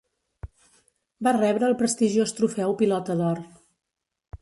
Va rebre el prestigiós trofeu Pilota d'Or.